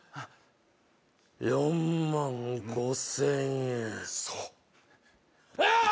「４万５０００円」そうあーっ！